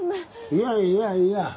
いやいやいや